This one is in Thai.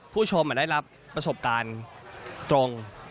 ผู้ชมได้รับประสบการณ์ตรง